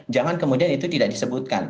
jangan kemudian itu tidak disebutkan